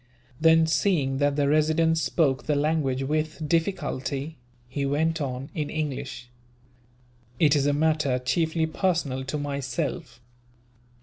Then, seeing that the Resident spoke the language with difficulty, he went on, in English: "It is a matter chiefly personal to myself."